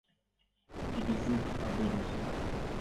І без іх абыдземся!